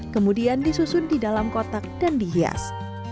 kemudian disusun di dalam kotak dan dihias